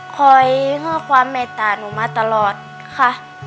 คอยข้อความเมตตาหนูมาตลอดค่ะ